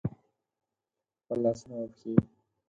خپل لاسونه او پښې